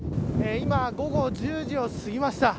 今、午後１０時を過ぎました。